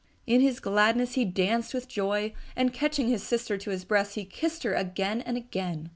In his gladness he danced with joy, and catching his sister to his breast he kissed her again and again.